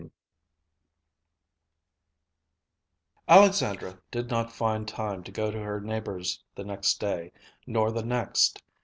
V Alexandra did not find time to go to her neighbor's the next day, nor the next.